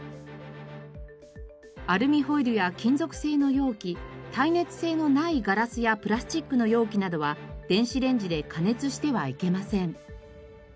アルミホイルや金属製の容器耐熱性のないガラスやプラスチックの容器などは電子レンジで加熱してはいけません。